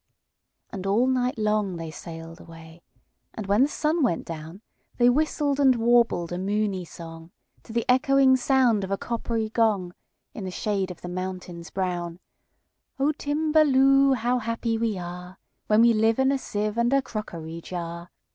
And all night long they sail'd away; And, when the sun went down, They whistled and warbled a moony songTo the echoing sound of a coppery gong, In the shade of the mountains brown,"O Timballoo! how happy we areWhen we live in a sieve and a crockery jar!